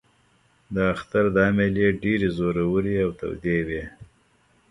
د اختر دا مېلې ډېرې زورورې او تودې وې.